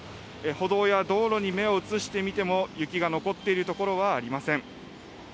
歩道や道路に目を移してみても雪が残っているところはありません。